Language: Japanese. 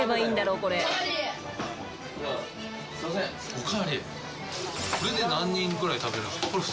これで何人ぐらい食べるんですかこれ２人？